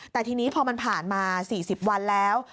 แต่ทีนี้พอมันผ่านมา๔๐วันแล้ว